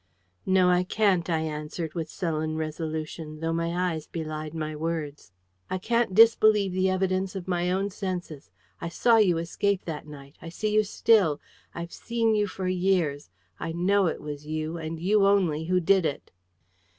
"No, I can't," I answered with sullen resolution, though my eyes belied my words. "I can't disbelieve the evidence of my own senses. I SAW you escape that night. I see you still. I've seen you for years. I KNOW it was you, and you only, who did it!"